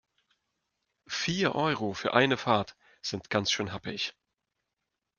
Vier Euro für eine Fahrt sind ganz schön happig.